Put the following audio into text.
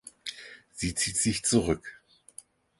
Sie zieht sich zurück.